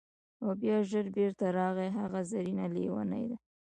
او بیا ژر بیرته راغی: هغه زرینه لیونۍ ده!